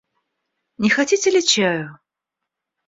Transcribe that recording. Не хотите ли чаю?